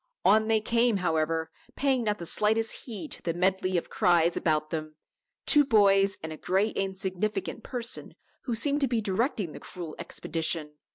On they came, however, paying not the slightest heed to the medley of cries about them two boys and a gray insignificant person who seemed to be directing the cruel expedition.